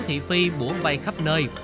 thị phi bủ bay khắp nơi